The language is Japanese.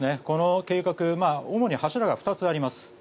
この計画主に柱が２つあります。